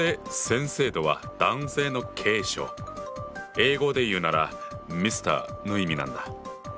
英語で言うなら「Ｍｒ．」の意味なんだ。